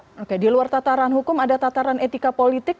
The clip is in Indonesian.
oke di luar tataran hukum ada tataran etika politik